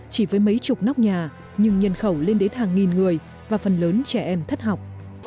chỉ với mấy chục nóc nhà nhưng nhân khẩu lên đến hàng nghìn người và phần lớn trẻ em thất học